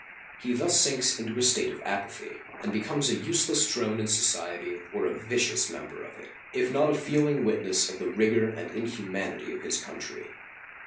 He thus sinks into a state of apathy, and becomes a useless drone in society or a vicious member of it, if not a feeling witness of the rigor and inhumanity of his country.